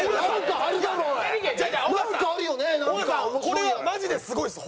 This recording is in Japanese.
これはマジですごいです。